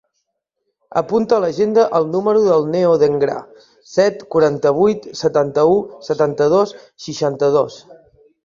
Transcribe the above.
Apunta a l'agenda el número del Neo Dengra: set, quaranta-vuit, setanta-u, setanta-dos, seixanta-dos.